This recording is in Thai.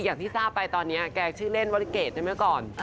อย่างที่ทราบไปตอนนี้แกชื่อเล่นวริเกตใช่ไหมก่อน